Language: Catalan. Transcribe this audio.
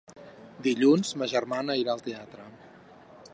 Dilluns ma germana irà al teatre.